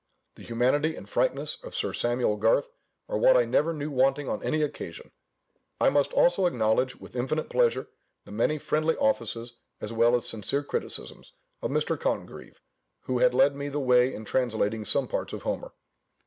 The humanity and frankness of Sir Samuel Garth are what I never knew wanting on any occasion. I must also acknowledge, with infinite pleasure, the many friendly offices, as well as sincere criticisms, of Mr. Congreve, who had led me the way in translating some parts of Homer.